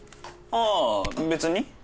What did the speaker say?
ああ別に。